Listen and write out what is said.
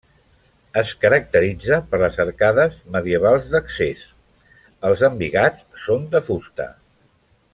Es caracteritza per les arcades medievals d'accés, els embigats són de fusta.